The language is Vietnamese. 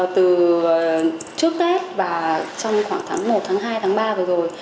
từ trước đến trong khoảng tháng một tháng hai tháng ba vừa rồi